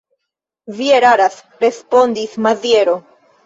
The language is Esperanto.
Vi eraras, respondis Maziero.